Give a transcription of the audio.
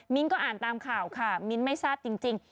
มิ้นท์ก็อ่านตามข่าวค่ะมิ้นท์ไม่ทราบจริง